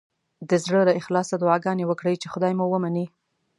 د زړه له اخلاصه دعاګانې وکړئ چې خدای مو ومني.